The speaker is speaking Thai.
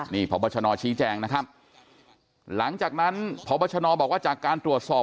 นี่พบชนชี้แจงนะครับหลังจากนั้นพบชนบอกว่าจากการตรวจสอบ